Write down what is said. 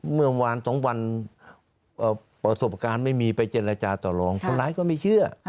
เมื่อวานสองวันประสบการณ์ไม่มีไปเจรจาต่อรองคนร้ายก็ไม่เชื่อ